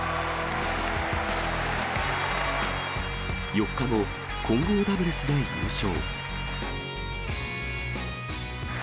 ４日後、混合ダブルスで優勝。